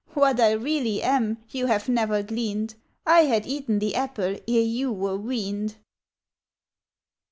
What I really am you have never gleaned; I had eaten the apple ere you were weaned.